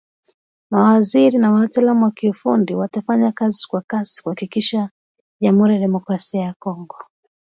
mawaziri na wataalamu wa kiufundi watafanya kazi kwa kasi kuhakikisha Jamuhuri ya Demokrasia ya Kongo